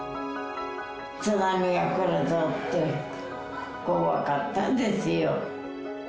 津波が来るぞって、怖かったんですよ。